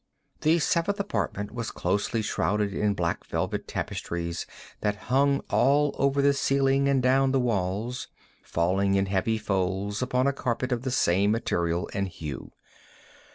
The seventh apartment was closely shrouded in black velvet tapestries that hung all over the ceiling and down the walls, falling in heavy folds upon a carpet of the same material and hue.